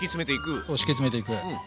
そう敷き詰めていく！